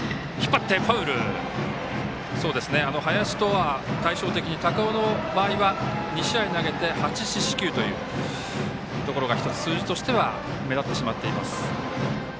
林とは対照的に高尾の場合は、２試合投げて８四死球というところが１つ数字としては目立ってしまっています。